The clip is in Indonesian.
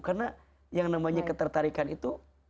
karena yang namanya ketertarikan itu